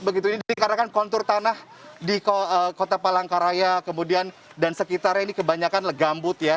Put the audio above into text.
begitu ini karena kan kontur tanah di kota palangkaraya kemudian dan sekitarnya ini kebanyakan legambut ya